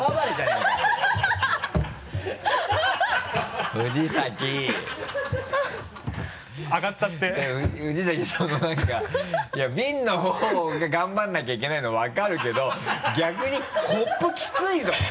いやビンの方が頑張らなきゃいけないの分かるけど逆にコップきついぞ？